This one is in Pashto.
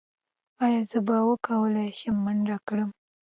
ایا زه به وکولی شم منډه کړم؟